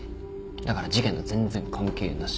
だから事件と全然関係なし。